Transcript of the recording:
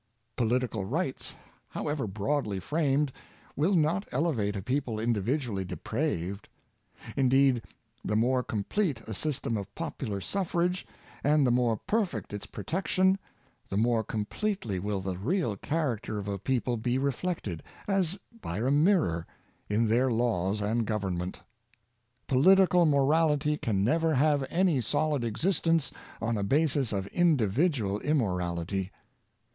Political rights, however broadly framed, will not elevate a people indi vidually depraved. Indeed, the more complete a sys tem of popular suffrage, and the more perfect its protection, the more completely will the real character of a people be reflected, as by a mirror, in their laws and government. Political morality can never have any solid existence on a basis of individual immorality.